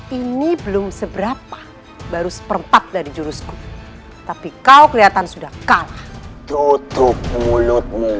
hai ini belum seberapa baru seperempat dari jurusku tapi kau kelihatan sudah kalah tutup mulutmu